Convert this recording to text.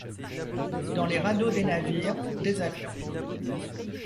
Dans les radeaux des navires, des avions.